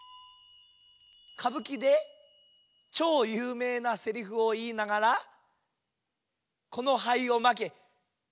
「かぶきでちょうゆうめいなセリフをいいながらこのはいをまけ」。